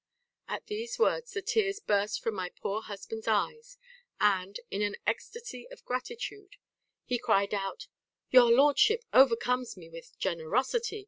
At these words the tears burst from my poor husband's eyes; and, in an ecstasy of gratitude, he cried out, 'Your lordship overcomes me with generosity.